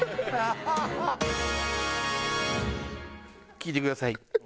聴いてください。